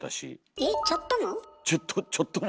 えっちょっとも？